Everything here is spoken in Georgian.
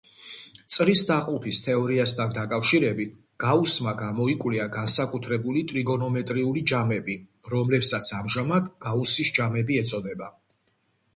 წრის დაყოფის თეორიასთან დაკავშირებით გაუსმა გამოიკვლია განსაკუთრებული ტრიგონომეტრიული ჯამები, რომლებსაც ამჟამად გაუსის ჯამები ეწოდება.